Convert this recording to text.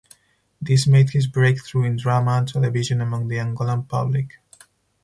This made his breakthrough in drama and television among the Angolan public.